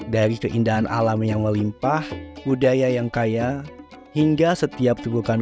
sebuah perjalanan kopi dan kalimantan barat yang tidak terpisahkan